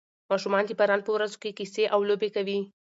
ماشومان د باران په ورځو کې کیسې او لوبې کوي.